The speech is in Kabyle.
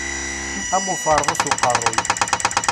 Am uferḍas uqerruy.